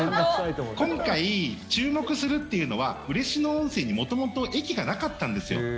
今回、注目するというのは嬉野温泉に元々、駅がなかったんですよ。